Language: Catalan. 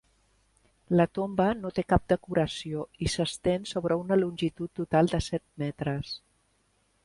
La tomba no té cap decoració i s'estén sobre una longitud total de set metres.